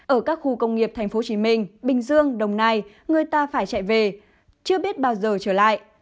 ở các khu công nghiệp tp hcm bình dương đồng nai người ta phải chạy về chưa biết bao giờ trở lại